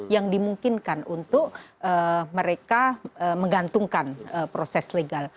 yang dimungkinkan untuk mereka menggantungkan proses legal